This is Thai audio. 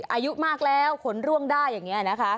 อายุมากแล้วขนร่วงได้อย่างนี้นะคะ